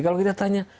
kalau kita tanya